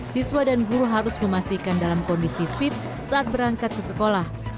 siswa dan guru harus memastikan dalam kondisi fit saat berangkat ke sekolah